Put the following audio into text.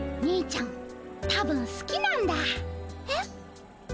にいちゃん多分すきなんだ。えっ？